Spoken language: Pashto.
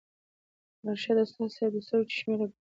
ارشد استاذ صېب د سترګو چشمې راکوزې کړې